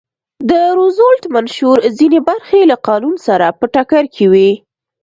د روزولټ منشور ځینې برخې له قانون سره په ټکر کې وې.